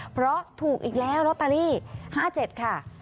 เพราะถูกอีกแล้วลอตเตอรี่๕๗ค่ะ